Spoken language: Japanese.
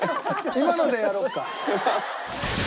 今のでやろうか。